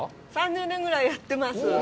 ３０年ぐらいやってます。